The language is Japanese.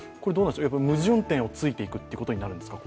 矛盾点をついていくっていうことになるんですか？